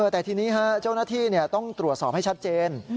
แต่ทีนี้เจ้าหน้าที่ต้องตรวจสอบให้ชัดเจน